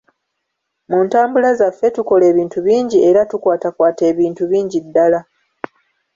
Mu ntambula zaffe, tukola ebintu bingi era tukwatakwata ebintu bingi ddala.